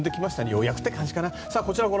ようやくって感じかな。